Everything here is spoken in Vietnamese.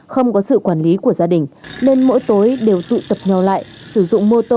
không có sự quản lý của gia đình nên mỗi tối đều tụ tập nhau lại sử dụng mô tô